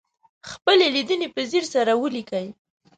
خپلې لیدنې په ځیر سره ولیکئ.